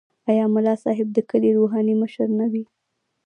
آیا ملا صاحب د کلي روحاني مشر نه وي؟